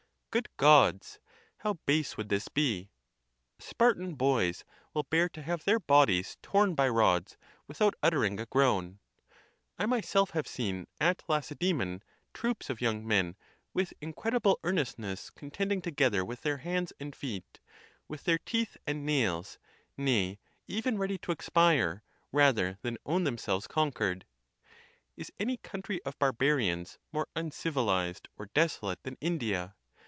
Good Gods! how base would this be! . Spartan boys will bear to have their bodies torn by rods without uttering a groan. I myself have seen at Lacedzemon troops. of young men, with incredible earnest ness contending together with their hands and feet, with their teeth and nails, nay, even ready to expire, rather than own. themselves conquered... Is any country of barbarians more uncivilized or desolate than India?